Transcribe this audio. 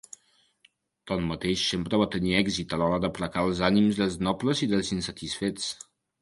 Tanmateix, sempre va tenir èxit a l'hora d'aplacar els ànims dels nobles i dels insatisfets.